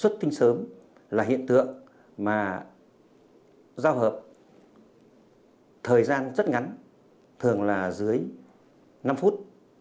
xuất tinh sớm là hiện tượng mà giao hợp thời gian rất ngắn thường là dưới năm phút